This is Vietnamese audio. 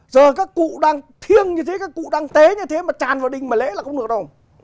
giờ các cụ đang thiêng như thế các cụ đang tế như thế mà tràn vào đình mà lễ là không được đâu